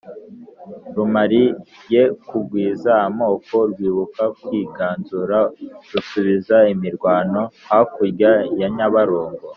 rumariye kugwiza amaboko, rwibuka kwiganzura: rusubiza imirwano hakurya ya nyabarongo,